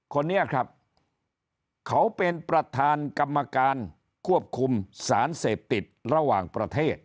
คนนี้ครับเขาเป็นประธานกรรมการควบคุมสารเสพติดระหว่างประเทศ